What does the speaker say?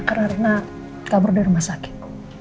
karena rina kabur dari rumah sakit